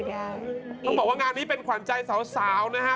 ต้องบอกว่างานนี้เป็นขวัญใจสาวนะฮะ